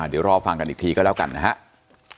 เดี๋ยวรอฟังกันอีกทีก็แล้วกันนะครับ